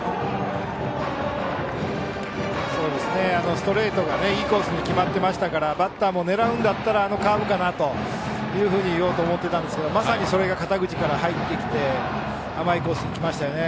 ストレートがいいコースに決まってましたからバッターも狙うんだったらあのカーブかなというふうに言おうと思ってたんですがまさにそれが肩口から入ってきて甘いコースに来ましたね。